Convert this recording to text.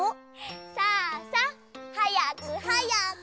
さあさあはやくはやく。